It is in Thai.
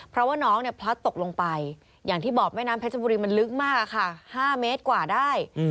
เพราะว่าน้องเนี่ยพลัดตกลงไปอย่างที่บอกแม่น้ำเพชรบุรีมันลึกมากค่ะ๕เมตรกว่าได้